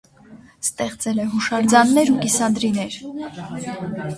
Ստեղծել է հուշարձաններ ու կիսանդրիներ։